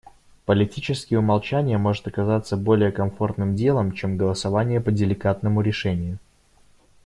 Политически умолчание может оказаться более комфортным делом, чем голосование по деликатному решению.